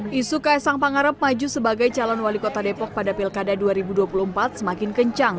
isu ks sang pangarep maju sebagai calon wali kota depok pada pilkada dua ribu dua puluh empat semakin kencang